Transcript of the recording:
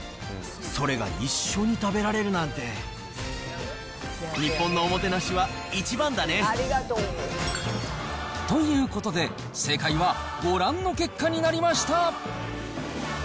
それが一緒に食べられるなんて。ということで、正解はご覧の結果になりました。